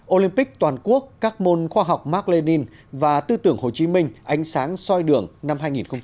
olympic toàn quốc các môn khoa học mark lenin và tư tưởng hồ chí minh ánh sáng xoay đường năm hai nghìn một mươi chín